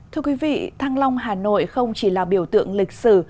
thưa quý vị thăng long hà nội không chỉ là biểu tượng lịch sử